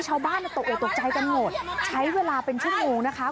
ชาวบ้านตกออกตกใจกันหมดใช้เวลาเป็นชั่วโมงนะคะ